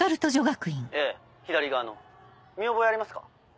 ええ左側の見覚えありますか？